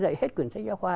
dạy hết quyển sách giáo khoa